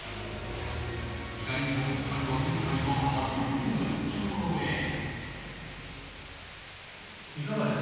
意外にも２人は今回が初めての共演。